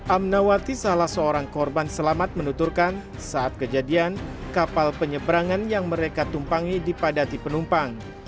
amnawati salah seorang korban selamat menuturkan saat kejadian kapal penyeberangan yang mereka tumpangi dipadati penumpang